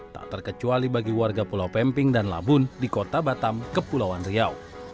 tak terkecuali bagi warga pulau pemping dan labun di kota batam kepulauan riau